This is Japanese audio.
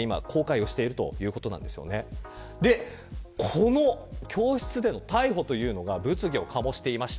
この教室での逮捕というのが物議を醸しています。